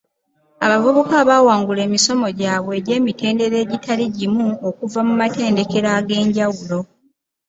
Abavubuka abaawangula emisomo gyabwe egy’emitendera egitali gimu okuva mu matendekero ag’enjawulo.